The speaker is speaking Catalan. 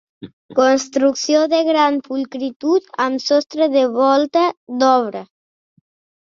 Construcció de gran pulcritud amb sostre de volta d'obra.